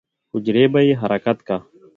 حجرې به يې حرکت کا.